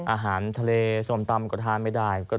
อาหารทะเลส้มตำก็ทานไม่ได้